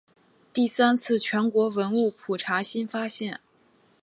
第三次全国文物普查新发现。